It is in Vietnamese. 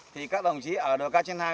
thì các đồng chí ở đồ ca trên hai